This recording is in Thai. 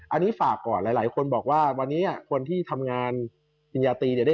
อันนี้ฝากก่อนหลายคนบอกว่าวันนี้คนที่ทำงานปริญญาตรีเนี่ย